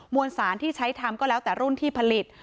วนสารที่ใช้ทำก็แล้วแต่รุ่นที่ผลิต